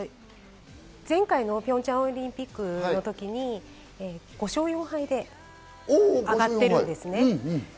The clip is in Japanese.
前回のピョンチャンオリンピックの時に５勝４敗で上がっています。